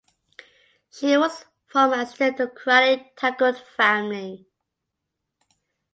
She was from an aristocratic Tangut family.